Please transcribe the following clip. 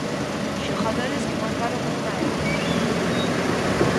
Xogadores que marcaron unha época.